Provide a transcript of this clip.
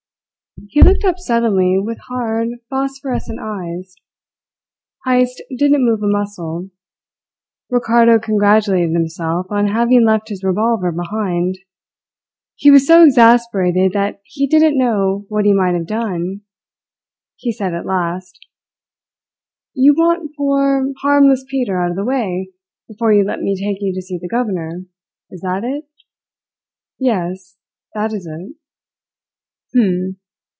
He looked up suddenly with hard, phosphorescent eyes. Heyst didn't move a muscle. Ricardo congratulated himself on having left his revolver behind. He was so exasperated that he didn't know what he might have done. He said at last: "You want poor, harmless Peter out of the way before you let me take you to see the governor is that it?" "Yes, that is it." "H'm!